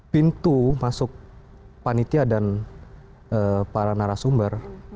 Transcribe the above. pintu masuk panitia dan para narasumber